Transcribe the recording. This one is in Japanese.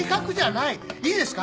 いいですか？